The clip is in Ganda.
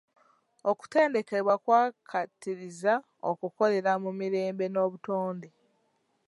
Okuteendekebwa kwakattiriza okukolera mu mirembe n'obutonde.